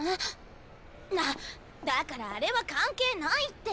なっだからあれは関係ないって！